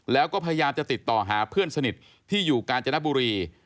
แล้วก็พยายามจะติดต่อหาเพื่อนสนิทที่อยู่กาญจนบุรี